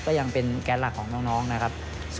ก็ยังเป็นแก๊สหลักของน้องนะครับ